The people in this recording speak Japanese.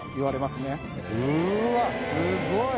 すっごい！